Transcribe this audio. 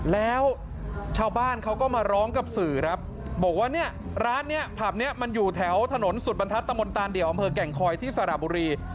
แล้วชาวบ้านเขาก็มาร้องกับสื่อครับบอกว่าเนี่ยร้านนี้ผับนี้มันอยู่แถวถนนสุดบรรทัศตะมนตานเดี่ยวอำเภอแก่งคอยที่สระบุรี